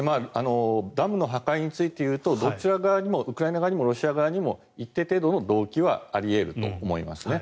ダムの破壊について言うとどちら側にもウクライナ側にもロシア側にも一定程度の動機はあり得ると思いますね。